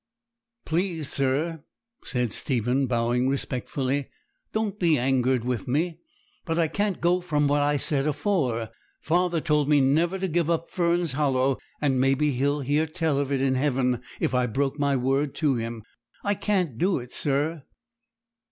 'Please, sir,' said Stephen, bowing respectfully, 'don't be angered with me, but I can't go from what I said afore. Father told me never to give up Fern's Hollow; and maybe he'd hear tell of it in heaven if I broke my word to him. I can't do it, sir.'